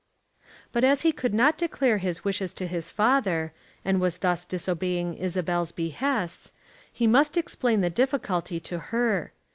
But as he could not declare his wishes to his father, and was thus disobeying Isabel's behests, he must explain the difficulty to her.